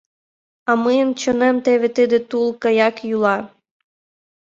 А мыйын чонем теве тиде тул гаяк йӱла.